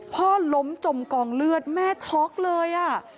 พ่อล้มจมกองเลือดแม่ช็อกเลย